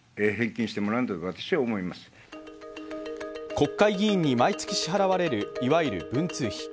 国会議員に毎月支払われる、いわゆる文通費。